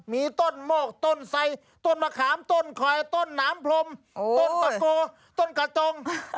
มีต้นโมกต้นไสต้นมะขามต้นคอยต้นหนามพรมต้นตะโกต้นกระจง